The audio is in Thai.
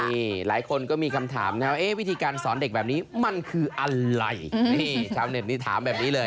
นี่หลายคนก็มีคำถามนะว่าวิธีการสอนเด็กแบบนี้มันคืออะไรนี่ชาวเน็ตนี้ถามแบบนี้เลย